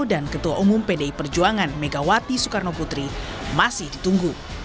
dan ketua umum pdi perjuangan megawati soekarno putri masih ditunggu